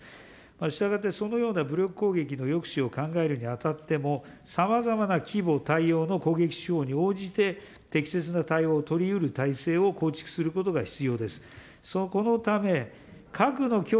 したがって、そのような武力攻撃の抑止を考えるにあたっても、さまざまな規模、態様の攻撃手法に応じて、適切な対応を取りうるたいせいを構築することが必要です。